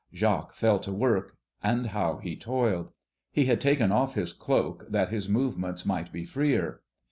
Jacques fell to work; and how he toiled! He had taken off his cloak, that his movements might be freer.